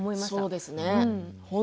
そうですね